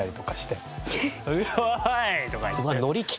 「うぉい！」とか言って。